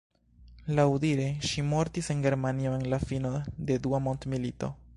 Laŭdire, ŝi mortis en Germanio en la fino de Dua Mondmilito.